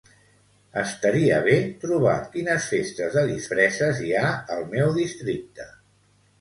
Estaria bé trobar quines festes de disfresses hi ha al meu districte.